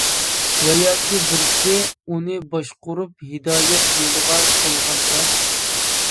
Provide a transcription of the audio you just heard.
ۋە ياكى بىرسى ئۇنى باشقۇرۇپ ھىدايەت يولغا سالغاندا.